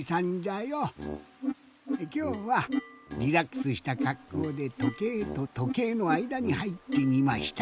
きょうはリラックスしたかっこうでとけいととけいのあいだにはいってみました。